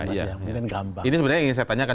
ini sebenarnya yang ingin saya tanyakan